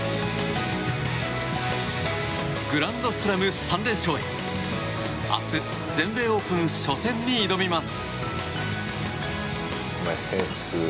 グランドスラム３連勝へ明日全米オープン初戦に挑みます！